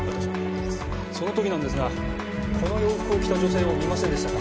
その時なんですがこの洋服を着た女性を見ませんでしたか？